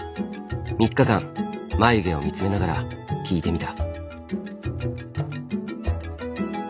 ３日間眉毛を見つめながら聞いてみた。